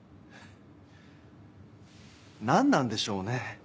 何なんでしょうね